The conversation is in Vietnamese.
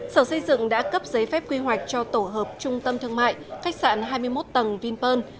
sở xây dựng đã cấp giấy phép quy hoạch cho tổ hợp trung tâm thương mại khách sạn hai mươi một tầng vinpearl